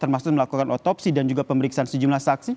maksud melakukan otopsi dan pemeriksaan sejumlah saksi